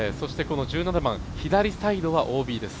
１７番、左サイドはＯＢです。